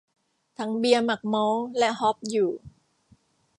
ถังเบียร์หมักมอลต์และฮอปอยู่